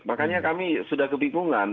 makanya kami sudah kebingungan